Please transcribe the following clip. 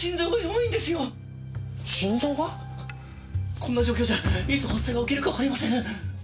こんな状況じゃいつ発作が起きるかわかりません。